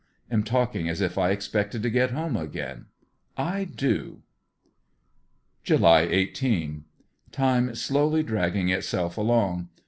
Am talking as if I expected to get home again. I do. July 18, — Time slowly dragging itself along.